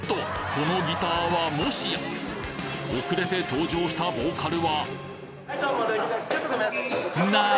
このギターはもしや遅れて登場したボーカルは何！？